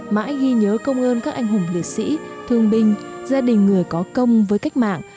mãi ghi nhớ công ơn các anh hùng liệt sĩ thương binh gia đình người có công với cách mạng